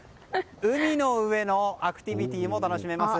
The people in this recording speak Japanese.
海の上のアクティビティーも楽しめます。